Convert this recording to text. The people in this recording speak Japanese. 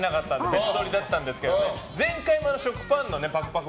別どりだったんですけど前回も食パンのぱくぱく！